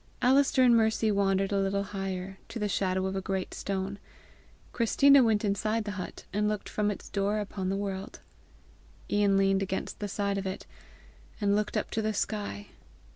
Alister and Mercy wandered a little higher, to the shadow of a great stone; Christina went inside the hut and looked from its door upon the world; Ian leaned against the side of it, and looked up to the sky.